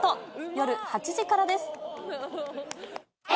夜８時からです。